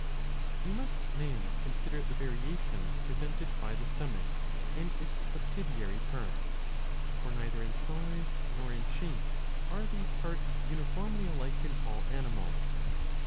We must now consider the variations presented by the stomach and its subsidiary parts. For neither in size nor in shape are 674a. *• iii. 14 ' 87 these parts uniformly alike in all animals.